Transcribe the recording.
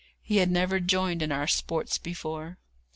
He had never joined in our sports before.